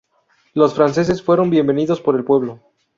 Los franceses fueron bienvenidos por el pueblo.